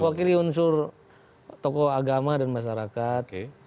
wakili unsur tokoh agama dan masyarakat